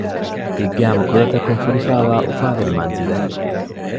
ހިތްގައިމު ކުލަތަކުން ފުރިފައިވާ އުފާވެރި މަންޒިލެއް